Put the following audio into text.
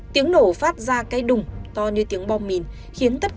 tiếng nổ phát ra cây đùng to như tiếng bom mìn